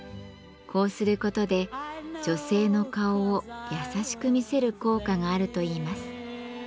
こうすることで女性の顔を優しく見せる効果があるといいます。